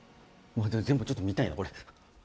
全部ちょっと見たいなこれ。